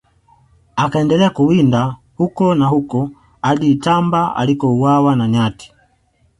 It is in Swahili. Akaendelea kuwinda huko na huko hadi Itamba alikouawa na nyati